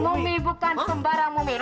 ini bukan sembarang mumi